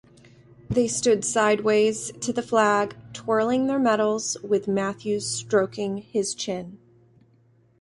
They stood sideways to the flag, twirling their medals, with Matthews stroking his chin.